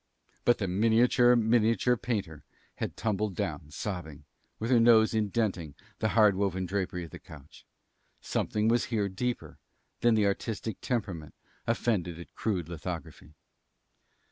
But the miniature miniature painter had tumbled down, sobbing, with her nose indenting the hard woven drapery of the couch. Something was here deeper than the artistic temperament offended at crude lithography.